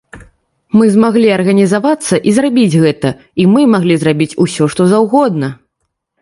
Мы змаглі арганізавацца і зрабіць гэта, і мы маглі зрабіць усё што заўгодна.